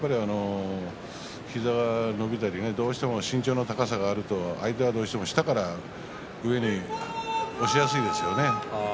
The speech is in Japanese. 膝が伸びたり身長の高さがあるとどうしても相手が下から上に押しやすいですよね。